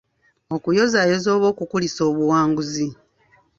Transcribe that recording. Okuyozaayoza oba okukulisa obuwanguzi.